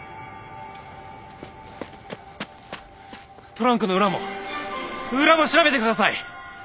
トランクの裏も裏も調べてください！